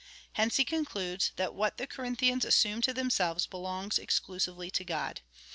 Hence he concludes, that what the Corinthians assume to themselves, belongs exclusively to God.